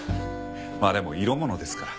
まあでも色物ですから。